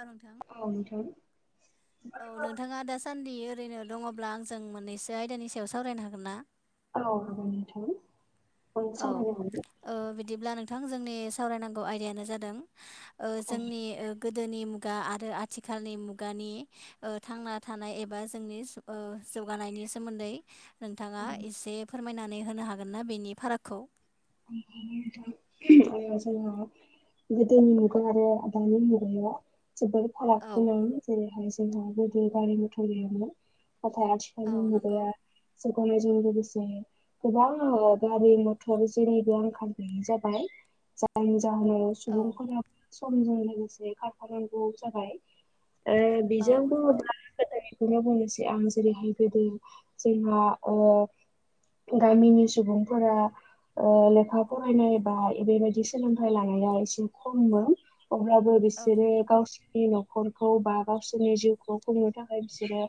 औ नोंथां औ नोंथां औ नोंथाङा दासान्दि ओरैनो दङब्ला आंजों मोननैसो आयदानि सायाव सावरायनो हागोन ना? औ हागोन नोंथां मनि औ सावरायनो हागोन। ओ बिदिब्ला नोंथां जोंनि सावरायनांगौ आयदायानो जादों जोंनि गोदोनि मुगा मुगा आरो आथिखालनि मुगानि थांना थानाय एबा जोंनि जौगानायनि नि सोमोन्दै नोंथाङा एसे फोरमायनानै होनो हागोन ना बेनि फारागखौ ओ नोंथां गोदोनि मुगा आरो दानि मुगा जोबोद फाराग औ गोनां जेरैहाय जोंहा गोदो गारि मथर गैयामोन। नाथाय थाय औ आथिखालनि नंगौ मुगाया जों लोगोसे गोबां गारि मटर जनै बे आंखाल गानो जाबाय जायनि जाहोनाव औ सुबुंफोरा समजों लोगोसे खारफानांगौ जाबाय औ बेजों नंगौ बुङोब्ला गोदो बेखौनो बुंनोसै आं जेरैहाय गोदो जोंहा ओ गामिनि सुबुंफोरा लेखा फरायनाय बा बेबायदि सोलोंथायाइ लानाया एसे खममोन। अब्लाबो औ बिसोरो गावसि न'खरखौ बा गावसोरनि जिउखौ खुंनो थाखाय बिसोरो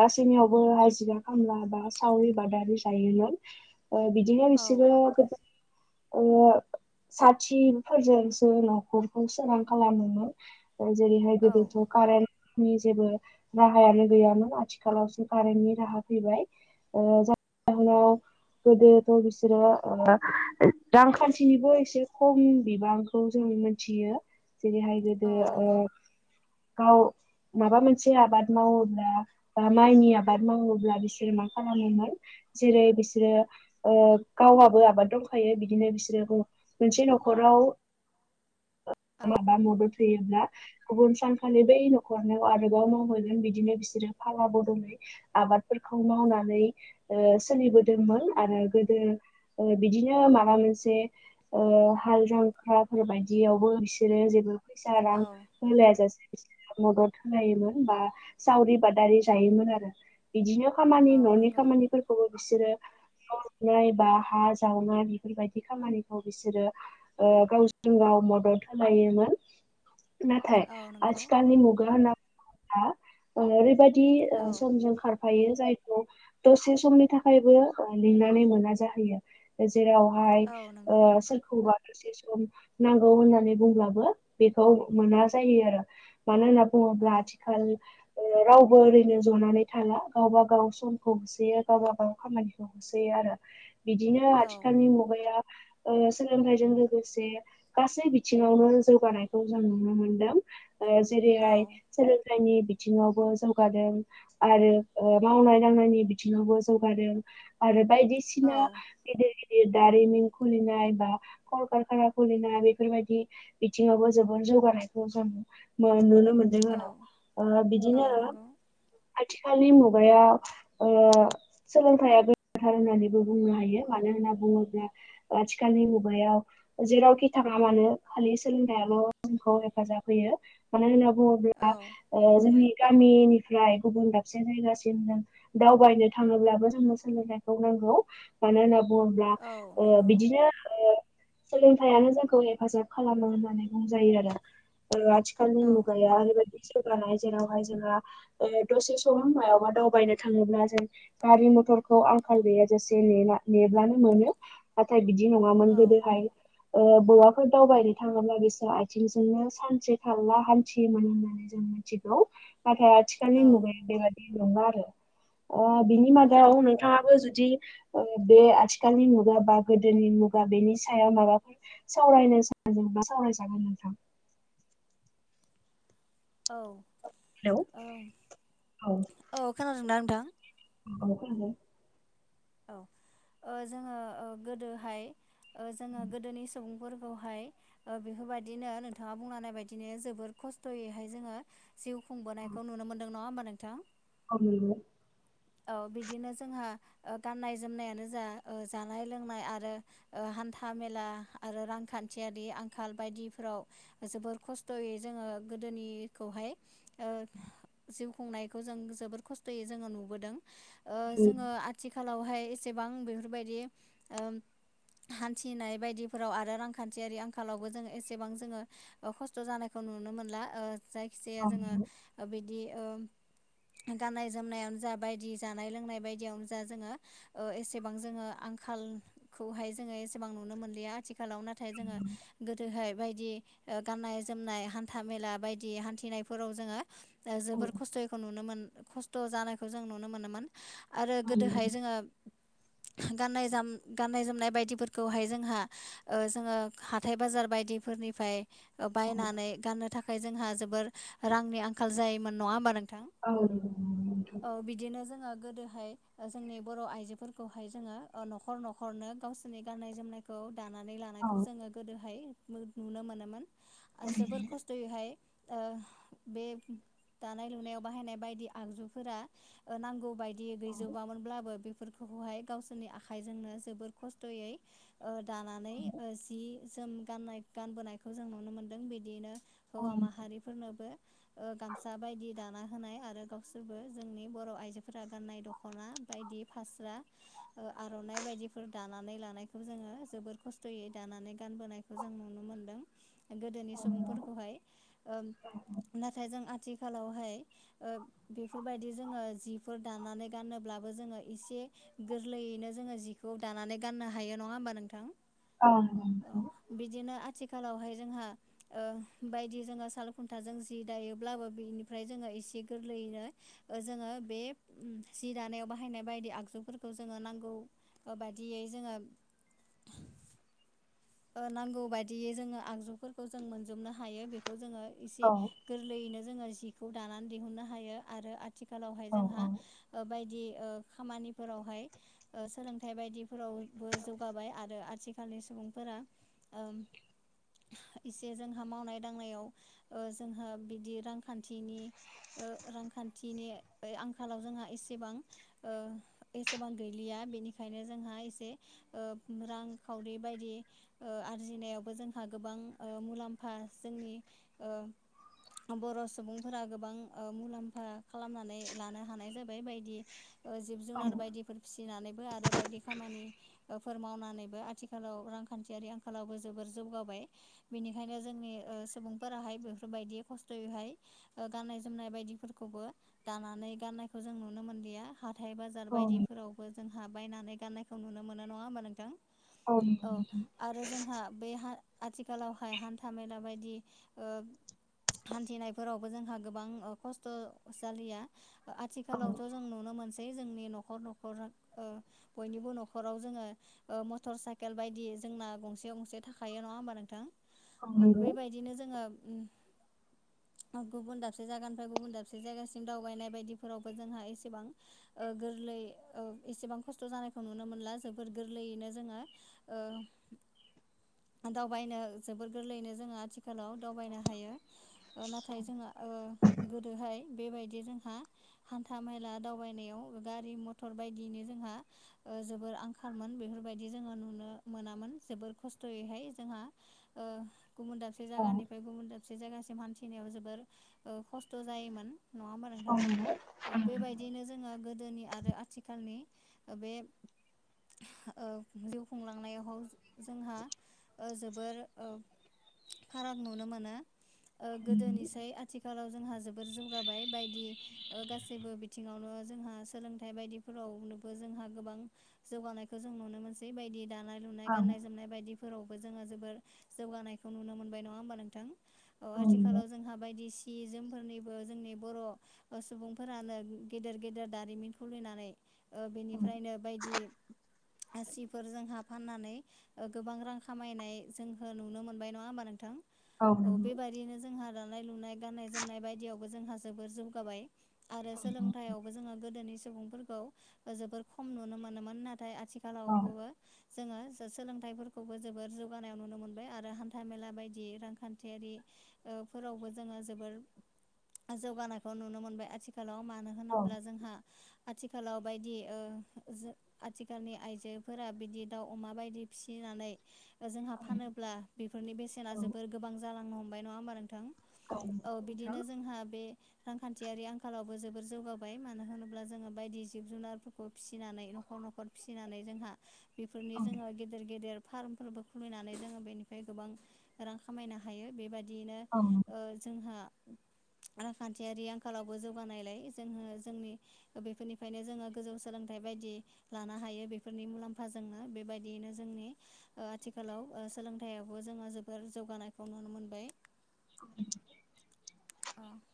गासैनियावबो हाजिरा खामला बा सावरि बादालि जायोमोन बिदिनो औ बिसोरो ओ साथिफोरजोंसो न'खरखौ सोरां खालामोमोन। जेरैहाय औ गोदोथ' कारेन नि जेबो राहायानो गैयामोन आथिखालावसो कारेन्टनि राहा फैबाय जाहनाव गोदोथ' बिसोरो रांखान्थिनिबो एसे खम बिबांखौ जों मोनथियो। जेरैहाय गोदो औ नंगौ ओ गाव माबा मोनसे आबाद मावोब्ला बा माइनि आबाद मावोब्ला बिसोर मा खालामोमोन जेरै बिसोरो गावहाबो आबाद दंखायो बिदिनो बिसोरोखौ मोनसे न'खराव औ माबा माबि होयोब्ला गुबुन सानखालि बै न'खरनिआव आरोबाव मावहैगोन बिदिनो बिसोरो फाला बदलै आबादफोरखौ मावनानै सोलिबोदोंमोन आरो गोदो बिदि बिदिनो माबा मोनसे हाल जांखाफोर बायदियावबो बिसोरो जेबो फैसा रां औ होलाया जासे मदद होलायोमोन बा सावरि बादालि जायोमोन आरो बिदिनो खामानि औ न'नि नंगौ खामानिफोरखौबो बिसोरो [inaudible] नाय बा हा जावनाय बेफोरबायदि खामानिखौ बिसोरो गावजों गाव मदद खाालायोमोन नाथाय औ नंगौ आथिखालनि मुगा होनना ओरैबायदि औ समजों खारफायो जाय दसे समनि थाखायबो लिंनानै मोना जाहैयो। जेरावहाय औ नंगौ सोरखौबा दसे सम नांगौ होननानै बुंब्लाबो बेखौ मोना जायो आरो मानो होनना औ बुङोब्ला आथिखाल रावबो ओरैनो जनानै थाला गावबा गाव समखौ होसोयो गावबा गाव खामानिखौ होसोयो। आरो बिदिनो औ आथिखालनि मुगाया सोलोंथाइजों लोगोसे गासै बि बिथिङावनो जौगानायखौ जों नुनो मोनदों औ जेरैहाय सोलोंथाइनि बिथिङावबो जौगादों आरो मावनाय दांनायनि बिथिङावबो जौगादों आरो बायदिसिना औ गिदिर गि दिर दारिमिन खुलिनाय बा कलकारखाना खुलिनाय बेफोरबायदि बिथिङावबो जोबोर जौगानायखौ जों नुनो मोन मोनदों औ औ बिदिनो नंगौ आथिखालनि मुगायाव सोलोंथाइया गोनांथार होननानैबो बुंनो हायो मानोना होनना बुङोब्ला आथिखालनि मुगायाव जेरावखि थाङा मानो खालि सोलोंथायाइल' जोंखौ हेफाजाब होयो मानो होनना औ बुङोब्ला जोंनि गामिनिफ्राय गुबुन दाबसे जायगासिम जों दावबायनो थाङोब्लाबो जोंनो सोलोंथाइखौ नां गौ मानो होनो ब्ला औ नंगौ बिदिनो सोलोंथाइयानो जोंखौ हेफाजाब खालामो होननानै बुंजायो आरो आथिखालनि औ मुगाया ओरैबायदि जौगानाय जेरावहाय जोंहा दसे समह मायावबा दावबायनो थाङोब्ला जों गारि म थर आंखाल गैया नेब्लानो मोन नाथाय बिदि नङमोन औ गोदोहाय बहाफै [unintelligible] दावबायनो थाङोब्ला बिसोर आथिंजोंनो सानसे थाला हान्थियोमोन होननानै जों मिथिगौ। नाथाय औ आथिखालनि मुगायाव बेबाददि नङा आरो बिनि औ मादायाव नोंथाङाबो जु दि बे आथिखालनि मुगा बा गोदोनि मुगा बेनि सायाव माबाफोर सावरायनो सावरायनोबा [unintelligible] जागोन नोंथां। औ हेलौ औ औ खोनादोंदा नोंथां? अ खोनादों। औ जोङो गोदोहाय जोङो गोदोनि सुबुंफोर खौहाय बेफोरबायदिनो नोंथाङा बुंनाय बायदिनो जोोबोर खस्थ'यैहाय जोङो जिउ खुंबोनायखौ नु नो मोनदों नङा होनोमबा नोंथां? औ नंगौ। औ बिदिनो जोंहा गाननाय जोमनायानो जा जानाय लोंनाय आरो ओ हान्था मेला आरो रांखान्थियारि आंखाल बायदिफ्राव जोबोर खस्थ'यै जोङो गोदोनिखौहाय जिउ खुंनायखौ जों जोबोद खस्थ'यै जोङो नुबोदों। जोङो आथिखालावहाय एसेबां बेफोरबायदि हान्थिनाय बायदिफोराव आरो रांखान्थियारि आंखालावबो जोङो एसेबां जोङो खस्थ' जानायखौ नुनो मोनला जायखि जाया औ जोङो नंगौ बिदि ओ गाननाय जोमनायानो जा बायदि जानाय लोंनाय बायदियावनो जा जोङो एसेबां जोङो आंखालखौहाय जोङो एसेबां नुनो मोनलिया आथिखालाव नाथाय जोङो गोदोहाय बायदि गाननाय जोमनाय हान्था मेला बायदि हान्थिनायफोराव जोङो औ जोबोर खस्थ'यैखौ नुनो मोन खस्थ' जानायखौ जों नुनो मोनोमोन आरो औ नंगौ गोदोहाय जोङो गाननाय जोम गाननाय जोमनाय बायदिफोरखौहाय जोंहा जोङो हाथाइ बाजार बायदि फोरनिफ्राय बायनानै गाननो थाखाय जोंहा जोबोर रांनि आंखाल जायोमोन नङा होमबा नों औ नंगौ नोंथां औ बिदिनो जोङो गोदोहाय जोंनि बर' आइजोफोरखौहाय जोङो न'खर न'खरनो गावसोरनि गाननाय जोमनायखौ दानानै औ लानायखौ जोङो गोदोहाय नुनो मोनोमोन औ आरो जोबोर खस्थ'यैहाय बे दानाय लुनायाव बाहायनाय बायदि आगजुफोरा नांगौ बाय दि गैजोबामोनब्लाबो बेफोरखौहाय गावसोरनि आखाइजोंनो जोबोर खस्थ'यै दानानै जि जोम गाननाय गानबोनायखौ जों नुनो मोन्दों बिदियैनो हौवा माहारिफोरनोबो गामसा बायदि दाना होनाय आरो गाव फोरबो जोंनि बर' आइजोफोरा गाननाय दख'ना बायदि फास्रा आर'नाइ बायदि फोर दानानै लानायखौ जोङो जोबोर खस्थ'यै दानानै गानबोनायखौ जों नुनो मोनदों। गोदोनि सुबुंफोरखौहाय नाथाय जों आथिखालावहाय बेफोरबायदि जोङो जिफोर दानानै गानोब्लाबो जोङो एसे गोरलैयैनो जोङो जि खौ दानानै गाननो हायो नङा होमबा नोंथां औ नंगौ औ नोंथां बिदिनो आथिखालावहाय जोंहा बायदि जोङो साल खुन्थाजों जि दायोब्लाबो बिनिफ्राय जोङो एसे गोर लैयैनो जोङो बे सि दानायाव बाहायनाय बायदि आगजुफोरखौ जोङो नांगौ बादियै जोङो नांगौ बायदियै जोङो आगजु फोरखौ जों मोनजोबनो हायो बेखौ जोङो औ एसे गोरलैयैनो जोङो जि खौ दानानै दिहुननो हायो आरो आथिखालावहाय औ नंगौ नोंथां औ नंगौ औ नंगौ औ नंगौ औ नंगौ औ नोंथां औ जोंहा बायदि खामानिफोरावहाय सोलोंथाइ बायदिफोरावबो जौगाबाय आरो आथिखालनि सुबुं फोरा इसे जोंहा मावनाय दांनायाव जोंहा बिदि रांखान्थिनि रांखानथिनि आंखालाव जोंहा एसेबां एसेबां गैलिया बेनिखायनो जोंहा एसे रांखावरि बायदि आरजिनायावबो जोंहा गोबां मुलाम्फा जोंनि बर' सुबुंफोरा गोबां मुलाम्फा खालामनानै लानो हानाय जाबाय बायदि जिब जुनार बायदिफोर फिसिनानैबो आरो बायदि खामानि फोर मावनानैबो आथिखालाव रां खान्थियारि आंखालावबो जोबोर जौगाबाय बिनिखायनो जोंनि सुबुंफोराहाय बेफोरबायदि खस्थ' जेरैहाय गाननाय जोमनाय बायदिफोरखौबो दानानै गाननायखौ जों नुनो मोनलिया हाथाय बाजार बायदिफोरावबो जोंहा बायनानै गाननायखौ नुनो मोनो नङा होमबा नोंथां औ आरो जोंहा बे आथिखालावहाय हान्था मेला बायदि हान्थिनायफोरावबो जोंहा गोबां खस्थ' जालिया आथिखालावथ' जों नुनो मोनसै जोंनि नख'र नख'र बयनिबो नख'राव जोङो मथर साइकेल बायदि जोंना गंसे गंसे थाखायो नङा होमबा नोंथां औ बेबायदिनो जोङो [inaudible] गुबुन दाबसे जायगानिफ्राय गुबुन दाबसे जायगासिम दावबायनाय बायदिफोरावबो जोंहा एसेबां गोरलै एसेबां खस्थ' जानायखौ नुनो मोनला जोबोर गोरलैयैनो जोङो [inaudible] दावबायनो जोबोद गोरलैयैनो जोङो आथिखालाव दावबायनो हायो नाथाय जोङा। गोदोहाय बेबायदि जोंहा हान्था मेला दावबायनायाव गारि मथर बाय यदिनि जोंहा जोबोर आंखालमोन बेफोरबायदि जोङो नुनो मोनामोन। जोबोर खस्थ'यैहाय जोंहा गुबुन दाबसे जायगानिफ्राय गुबुन दाबसे। दाबसे जायगासिम हान्थिनायाव जोबोर खस्थ' जायोमोन। नङा होमा नोंथां औ बेबायदियैनो जोङो गोदोनि। आरो आथिखालनि बे जिउ खुंलांनायाव। जोंहा जोबोर फाराग नुनो मोनो। गोदोनिसाय आथिखालाव। जोंहा जोबोर जौगाबाय बायदि गासैबो बिथिङावनो जोंहा सोलोंथाइ बायदिफोराव। जोंहा गोबां जौगानायखौ जों नुनो मोनसै बायदि दानाय लुनाय। गाननाय जोमनाय बायदिफोरावबो जोङो जोबोर जौगानायखौ नुनो मोनबाय नङा होमबा नोंथां। अ आथिखालाव जोंहा बायदिसिना। सि जोमफोरनिबो जोंनि बर' सुबुंफोरानो गेदेर गेदेर दारिमिन खुलिनानै। बेनिफ्रायनो बायदि सिफोर जोंहा फाननानै। गोबां रां खामायनाय जोंहो नुनो मोनबाय नङा होमबा नोंथां। औ बेबादिनो जोंहा दानाय लुनाय गाननाय जोमनाय बायदियावबो जोंहा जोबोर जौगाबाय। आरो सोलोंथायावबो जोङा गोदोनि सुबुंफोरखौ जोबोर खम नुनो मोनो मोन नाथाय आथिखालावबोबो जोङो। सोलोंथाइफोरखौबो जोबोर जौगानायाव नुनो मोनबाय आरो हान्था मेला बायदि रांखान्थियारि। फोरावबो जोङो जोबोर जौगानायखौ नुनो मोनबाय आथिखालाव मा। नो होनोब्ला जोंहा। आथिखालाव बायदि आथिखालनि आइजोफोरा बिदि दाउ अमा बायदि फिसिनानै जोंहा फानोब्ला बेफोरनि बेसेना जोबोर गोबां जा जालांनो हमबाय नङा होमबा नोंथां औ बिदिनो जोंहा बे रांखान्थियारि आंखालाव [unintelligible] जोबोर जौगाबाय मानो होनोब्ला जोङो बायदि जिब जुनारफोरखौ फिसिनानै न'खर न'खर फिसिनानै जोंहा। बेफोरनि। जोङो गेदेर गेदेर फार्मफोरबो खुलिनानै जोङो बेनिफ्राय गोबां रां खामायनो हायो बेबायदि। बिदिनो जोंहा रांखान्थियारि आंखालावबो जौगानायलाय जोङो जोंनि बेफोरनिफ्रायनो जोङो गोजौ सोलोंथाइ बेबायदि लानो हायो बेफोरनि मुलाम्फा जोङो बेबाय। दियैनो जोंनि ओ आथिखालाव सोलोंथायाइयावबो जोङो जोबोर जौगानायखौ नुनो मोनबाय। [unintelligible] औ [unintelligible]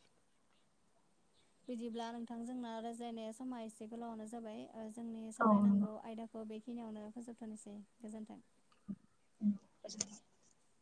बिदिब्ला नोंथांजोंना रायज्लायनाय समा एसे गोलावानो जाबाय। जोंनि औ सावरायनांगौ आयदाखौ बेखिनियावनो फोजोबथ'नोसै गोजोन्थों। [unintelligible]